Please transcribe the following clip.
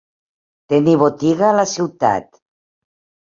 Tenir botiga a la ciutat.